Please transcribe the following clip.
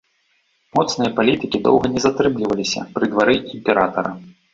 Моцныя палітыкі доўга не затрымліваліся пры двары імператара.